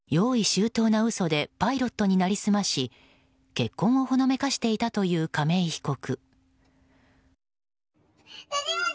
周到な嘘でパイロットに成り済まし結婚をほのめかしていたという亀井被告。